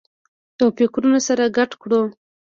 او فکرونه سره ګډ کړو